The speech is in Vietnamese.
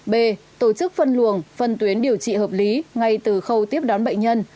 b tổ chức phân luồng phân tuyến điều trị hợp lý ngay từ khâu tiếp đón bệnh nhân